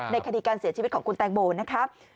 ในคดีการเสียชีวิตของคุณเต้มอง